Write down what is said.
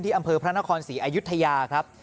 อำเภอพระนครศรีอายุทยาครับ